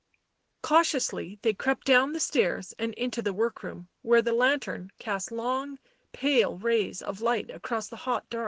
Cautiously they crept down the stairs and into the work room, where the lantern cast long pale rays of light across the hot dark.